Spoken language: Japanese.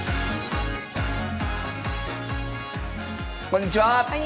こんにちは。